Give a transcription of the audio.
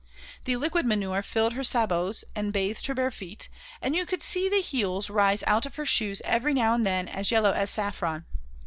The liquid manure filled her sabots and bathed her bare feet, and you could see the heels rise out of her shoes every now and then as yellow as saffron.